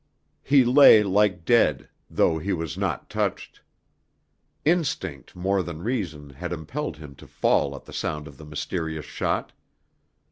He lay like dead, though he was not touched. Instinct more than reason had impelled him to fall at the sound of the mysterious shot.